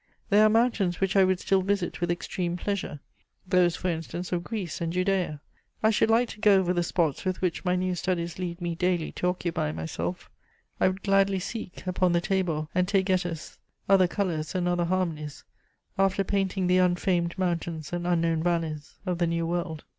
"There are mountains which I would still visit with extreme pleasure: those, for instance, of Greece and Judæa. I should like to go over the spots with which my new studies lead me daily to occupy myself: I would gladly seek, upon the Tabor and Taygetus, other colours and other harmonies, after painting the unfamed mountains and unknown valleys of the New World."